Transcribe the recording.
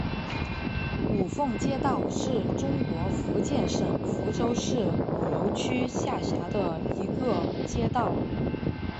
五凤街道是中国福建省福州市鼓楼区下辖的一个街道。